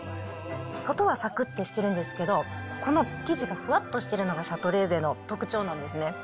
外はさくっとしてるんですけど、この生地がふわっとしてるのがシャトレーゼの特徴なんですね。